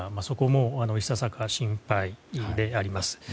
そこもいささか心配であります。